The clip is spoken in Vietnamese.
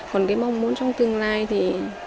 còn cái mong muốn trong tương lai thì